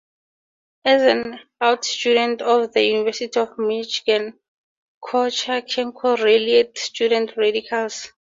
As an out student at The University of Michigan, Kozachenko rallied student radicals.